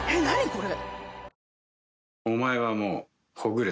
これ。